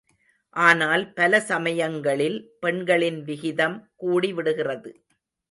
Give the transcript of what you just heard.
ஆனால் பல சமயங்களில் பெண்களின் விகிதம் கூடிவிடுகிறது.